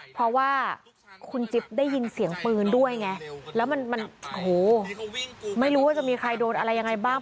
เพราะว่าคุณจิ๊บได้ยินเสียงปืนด้วยไงแล้วมันโหไม่รู้ว่าจะมีใครโดนอะไรยังไงบ้าง